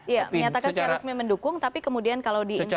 iya menyatakan secara resmi mendukung tapi kemudian kalau di internal